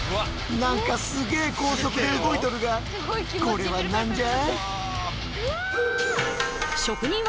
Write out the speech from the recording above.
何かすげえ高速で動いとるがこれは何じゃ？